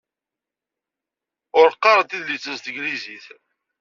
Ur qqarent idlisen s tanglizit.